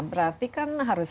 berarti kan harus